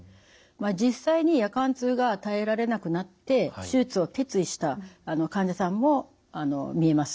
実際に夜間痛が耐えられなくなって手術を決意した患者さんもみえます。